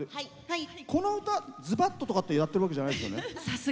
この歌、「ずばっと」とかってやってるわけじゃないですよね。